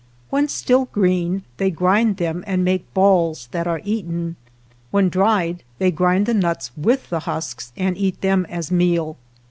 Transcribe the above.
When still green they grind them and make balls that are eaten. When dried they grind the nuts with the husks, and eat them as meal.